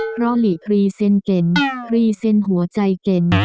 เพราะหลีครีเซ็นเก่งครีเซ็นหัวใจเก่ง